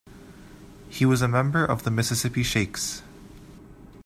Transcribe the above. He was a member of the Mississippi Sheiks.